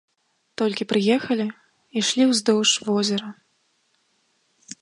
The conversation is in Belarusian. Толькі прыехалі, ішлі ўздоўж возера.